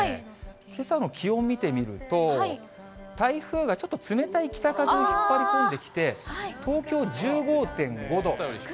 けさの気温見てみると、台風がちょっと冷たい北風を引っ張り込んできて、東京１５．５度。